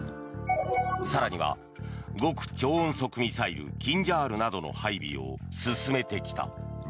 更には、極超音速ミサイルキンジャールなどの配備を進めてきた。